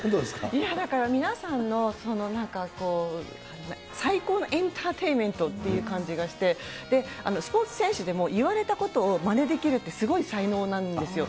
いや、だから、皆さんの最高のエンターテインメントという感じがして、スポーツ選手でも言われたことをまねできるってすごい才能なんですよ。